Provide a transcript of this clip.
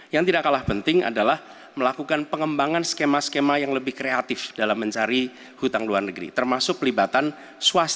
yang tidak kalah penting adalah melakukan pengembangan skema skema yang lebih kreatif dalam mencari hutang luar negeri termasuk pelibatan swasta